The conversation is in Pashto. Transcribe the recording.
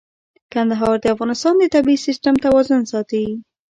کندهار د افغانستان د طبعي سیسټم توازن ساتي.